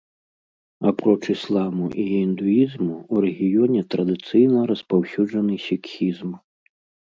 Апроч ісламу і індуізму, у рэгіёне традыцыйна распаўсюджаны сікхізм.